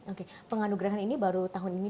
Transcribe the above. oke penganugerahan ini baru tahun ini